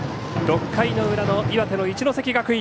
６回の裏の岩手の一関学院。